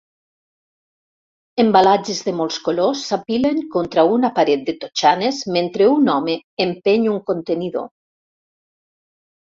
Embalatges de molts colors s'apilen contra una paret de totxanes mentre un home empeny un contenidor.